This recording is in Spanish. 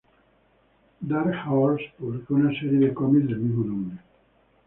Dark Horse publicó una serie de cómics del mismo nombre.